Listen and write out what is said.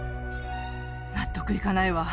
納得いかないわ。